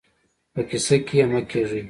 په کيسه کې يې مه کېږئ.